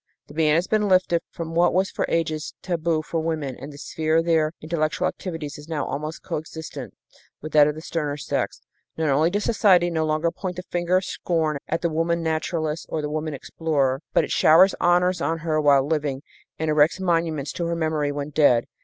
The ban has been lifted from what was for ages tabu for women, and the sphere of their intellectual activities is now almost coëxtensive with that of the sterner sex. Not only does society no longer point the finger of scorn at the woman naturalist or the woman explorer, but it showers honors on her while living and erects monuments to her memory when dead.